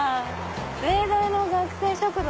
明大の学生食堂。